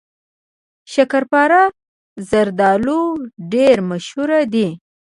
شکرپاره زردالو ډیر مشهور دي.